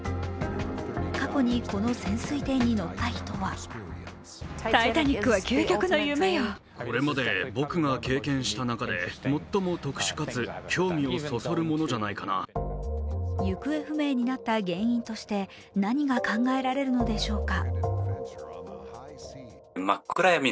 過去にこの潜水艇に乗った人は行方不明になった原因として何が考えられるのでしょうか。